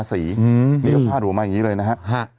สีมีแต่พาดหัวมาอันนี้เลยนะครับค่ะ